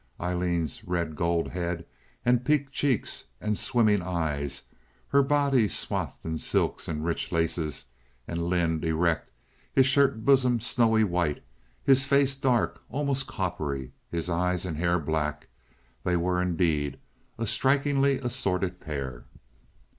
Aileen's red gold head, and pink cheeks, and swimming eyes, her body swathed in silks and rich laces; and Lynde, erect, his shirt bosom snowy white, his face dark, almost coppery, his eyes and hair black—they were indeed a strikingly assorted pair.